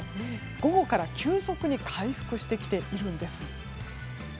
午後から急速に回復してきているんです。